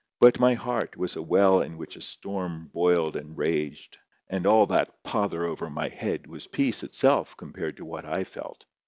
But my heart was a well in which a storm boiled and raged; and all that "pother o'er my head" was peace itself compared to what I felt.